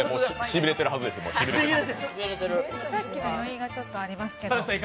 さっきの余韻がちょっとありますけど。